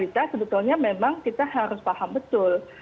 kita sebetulnya memang kita harus paham betul